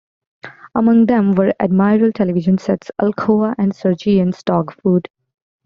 Among them were Admiral television sets, Alcoa and Sergeant's dog food.